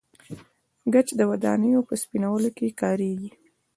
ګچ د ودانیو په سپینولو کې کاریږي.